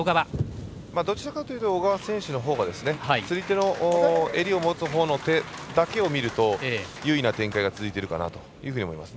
どちらかというと小川選手のほうが釣り手の襟を持つほうの手だけを見ると優位な展開が続いているかなと思います。